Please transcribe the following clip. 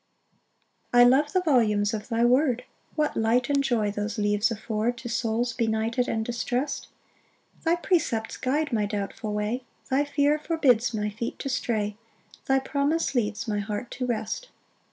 5 I love the volumes of thy word; What light and joy those leaves afford To souls benighted and distrest! Thy precepts guide my doubtful way, Thy fear forbids my feet to stray; Thy promise leads my heart to rest.